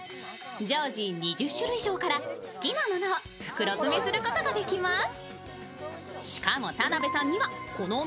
常時２０種類以上から、好きなものを袋詰めすることができます。